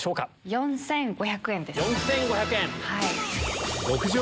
４５００円です。